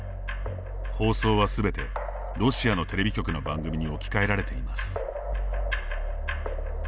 放送は全て、ロシアのテレビ局の番組に置き換えられています。